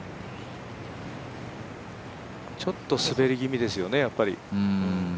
ちょっと滑り気味ですよね、やっぱり。